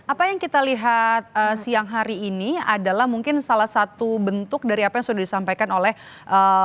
apa yang kita lihat siang hari ini adalah mungkin salah satu bentuk dari apa yang sudah disampaikan oleh ee